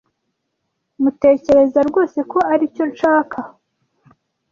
Mutekereza rwose ko aricyo nshaka?